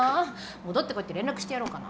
戻ってこいって連絡してやろうかな。